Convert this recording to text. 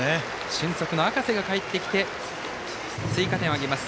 俊足の赤瀬がかえってきて追加点を挙げます。